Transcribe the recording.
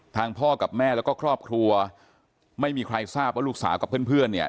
พ่อกับแม่แล้วก็ครอบครัวไม่มีใครทราบว่าลูกสาวกับเพื่อนเนี่ย